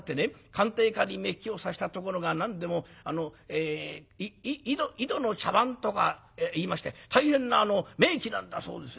鑑定家に目利きをさせたところが何でも『井戸の茶碗』とかいいまして大変な名器なんだそうです。